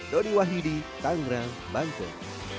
doni wahidi tanggerang bangkok